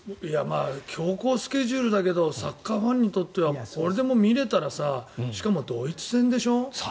強行スケジュールだけどサッカーファンにとってはこれでも見れたらしかもドイツ戦でしょ？